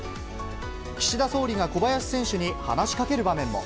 岸田総理が小林選手に話しかける場面も。